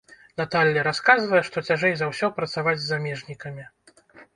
Наталля расказвае, што цяжэй за ўсе працаваць з замежнікамі.